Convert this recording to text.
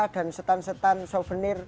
dan setan setan souvenir